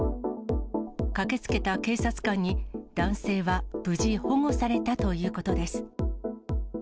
駆けつけた警察官に、男性は無事保護されたということです。